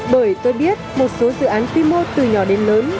bởi tôi biết một số dự án quy mô từ nhỏ đến lớn